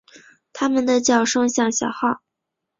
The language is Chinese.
它们的叫声像小号。